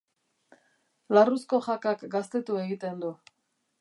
Larruzko jakak gaztetu egiten du.